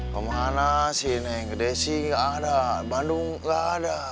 kemana si neng desi gak ada bandung gak ada